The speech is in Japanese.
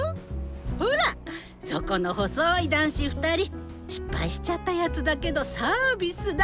ほらそこの細い男子２人失敗しちゃったやつだけどサービスだ。